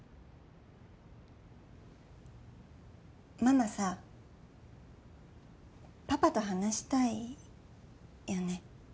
ママさパパと話したいよね？